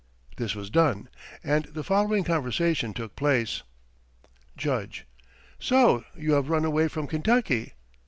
This was done, and the following conversation took place: Judge: "So you have run away from Kentucky.